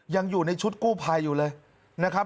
ยังอยู่ในชุดกู้ภัยอยู่เลยนะครับ